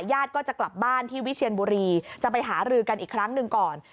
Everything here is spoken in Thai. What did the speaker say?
ญาติก็จะกลับบ้านที่วิเชียนบุรีจะไปหารือกันอีกครั้งหนึ่งก่อน